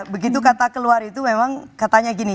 begitu kata keluar itu memang katanya gini